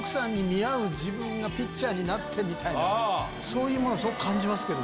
そういうものをすごく感じますけどね。